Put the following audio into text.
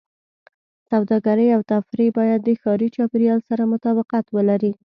سوداګرۍ او تفریح باید د ښاري چاپېریال سره مطابقت ولري.